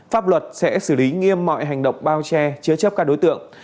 pháp luật sẽ xử lý nghiêm mọi hành động bao che chứa chấp các đối tượng